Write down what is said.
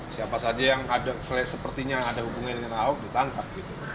siapa saja yang sepertinya ada hubungan dengan ahok ditangkap